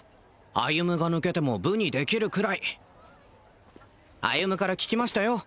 歩が抜けても部にできるくらい歩から聞きましたよ